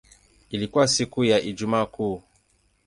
Ilikuwa siku ya Ijumaa Kuu.